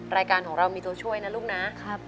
รายการของเรามีตัวช่วยนะลูกนะ